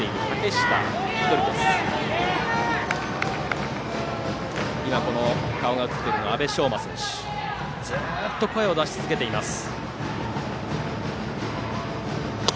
樹徳の阿部匠真選手はずっと声を出し続けています。